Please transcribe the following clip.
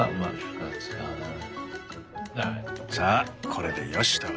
さあこれでよしと。